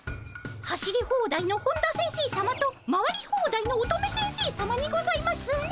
走りホーダイの本田先生さまと回りホーダイの乙女先生さまにございますね。